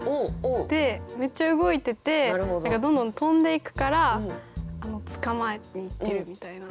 めっちゃ動いてて何かどんどん跳んでいくから捕まえにいってるみたいな。